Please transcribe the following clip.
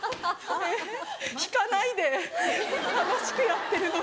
えっ引かないで楽しくやってるのに。